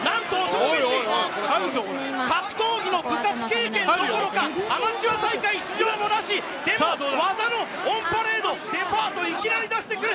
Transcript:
格闘技の部活経験どころかアマチュア大会出場もなしでも、技のオンパレード出してくる！